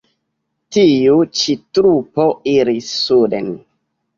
Tiu ĉi trupo iris suden.